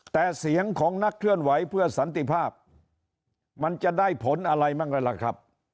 แต่เสียงของนักเคลื่อนไหวเพื่อสันติภาพมันจะได้ผลอะไรบ้างแล้วล่ะครับ